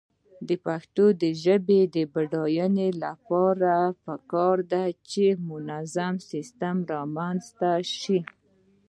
د پښتو ژبې د بډاینې لپاره پکار ده چې منظم سیسټم رامنځته شي.